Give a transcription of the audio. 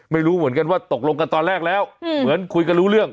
ไม่รู้เหมือนกันว่าตกลงกันตอนแรกแล้วเหมือนคุยกันรู้เรื่อง